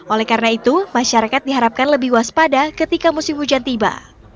oleh karena itu masyarakat diharapkan lebih waspada ketika musim hujan tiba